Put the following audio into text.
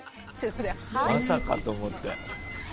まさかと思って。